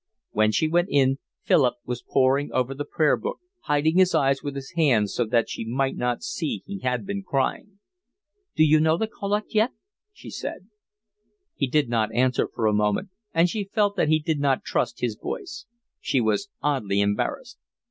When she went in Philip was poring over the prayer book, hiding his eyes with his hands so that she might not see he had been crying. "Do you know the collect yet?" she said. He did not answer for a moment, and she felt that he did not trust his voice. She was oddly embarrassed.